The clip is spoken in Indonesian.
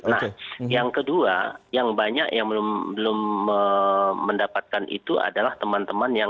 nah yang kedua yang banyak yang belum mendapatkan itu adalah teman teman yang